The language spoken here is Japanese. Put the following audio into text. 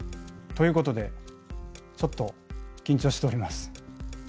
ということでちょっと緊張しております。